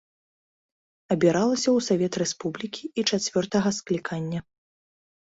Абіралася ў савет рэспублікі і чацвёртага склікання.